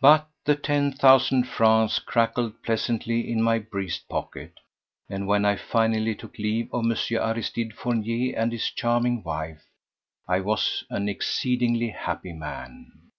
But the ten thousand francs crackled pleasantly in my breast pocket, and when I finally took leave of Monsieur Aristide Fournier and his charming wife, I was an exceedingly happy man.